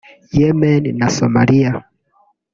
Yemen na Somalia